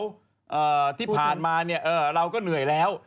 แล้วที่ผ่านมาเนี่ยเราก็เหนื่อยแล้ว